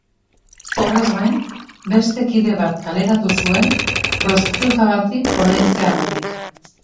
Horrez gain, beste kide bat kaleratu zuen prostituta bati ordaintzeagatik.